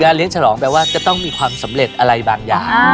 เลี้ยงฉลองแปลว่าจะต้องมีความสำเร็จอะไรบางอย่าง